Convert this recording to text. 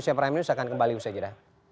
tapi orang tidak keluar